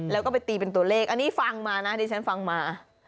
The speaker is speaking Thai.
แล้วก็ไปตีเป็นตัวเลขอันนี้ฟังมานะดิฉันฟังมา